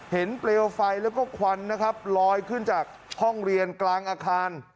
เปลวไฟแล้วก็ควันนะครับลอยขึ้นจากห้องเรียนกลางอาคาร